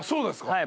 はい。